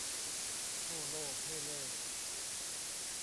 โพ่โล่เพ่เล่